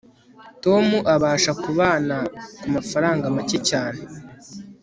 tom abasha kubana kumafaranga make cyane